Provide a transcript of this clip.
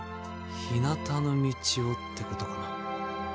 「ひなたの道を」ってことかな。